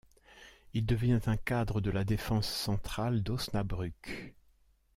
Il devient un cadre de la défense centrale d'Osnabrück.